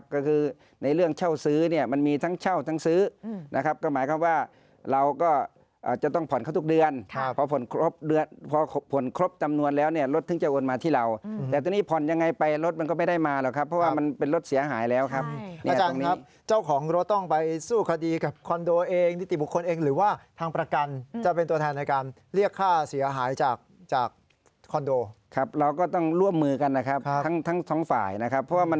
ก็คือในเรื่องเช่าซื้อเนี่ยมันมีทั้งเช่าทั้งซื้อนะครับก็หมายความว่าเราก็จะต้องผ่อนเขาทุกเดือนพอผลครบจำนวนแล้วเนี่ยรถถึงจะโอนมาที่เราแต่ตอนนี้ผ่อนยังไงไปรถมันก็ไม่ได้มาหรอกครับเพราะว่ามันเป็นรถเสียหายแล้วครับอาจารย์ครับเจ้าของรถต้องไปสู้คดีกับคอนโดเองนิติบุคคลเองหรือว่าทางประกัน